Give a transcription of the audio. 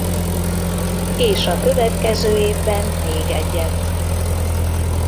És a következő évben még egyet.